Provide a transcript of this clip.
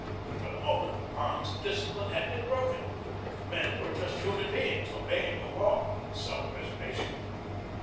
For the moment the bonds of discipline had been broken. The men were just human beings obeying the law of self preserva tion.